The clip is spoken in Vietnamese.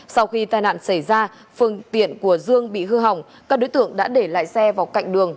sau khi tai nạn xảy ra phương tiện của dương bị hư hỏng các đối tượng đã để lại xe vào cạnh đường